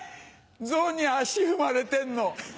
象に足踏まれてんの。